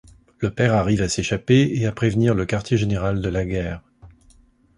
Le père arrive à s'échapper et à prévenir le quartier général de Laguerre.